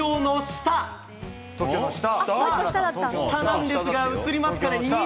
下なんですが、映りますかね？